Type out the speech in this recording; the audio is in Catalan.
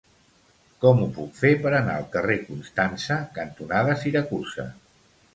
Com ho puc fer per anar al carrer Constança cantonada Siracusa?